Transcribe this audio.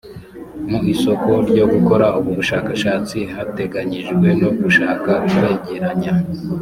mu isoko ryo gukora ubu bushakashatsi hateganyijwe ko gushaka kwegeranya